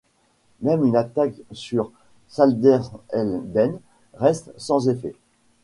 Même une attaque sur Salzderhelden reste sans effet.